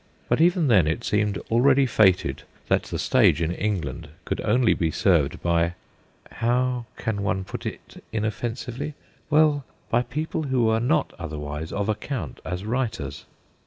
But even then it seemed already fated that the stage in England could only be served by how can one put it inoffensively ? well, by people who were not otherwise of account as writers.